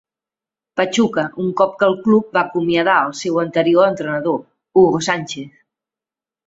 Pachuca, un cop que el club va acomiadar el seu anterior entrenador, Hugo Sánchez.